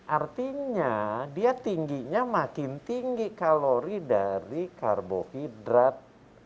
artinya dia tingginya makin tinggi kalori dari karbohidrat